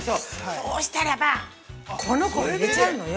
そうしたらばこの子を入れちゃうのよ。